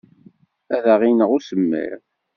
Ad aɣ-ineɣ usemmiḍ.